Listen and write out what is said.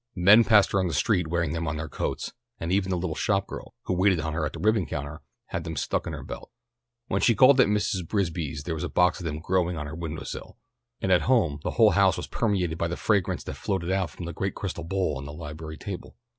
Men passed her on the street wearing them on their coats, and even the little shop girl, who waited on her at the ribbon counter, had them stuck in her belt. When she called at Mrs. Bisbee's there was a box of them growing on her window sill, and at home the whole house was permeated by the fragrance that floated out from the great crystal bowl on the library table.